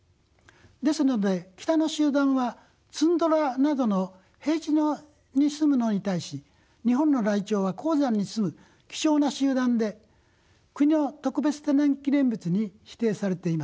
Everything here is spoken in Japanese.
ですので北の集団はツンドラなどの平地に住むのに対し日本のライチョウは高山に住む貴重な集団で国の特別天然記念物に指定されています。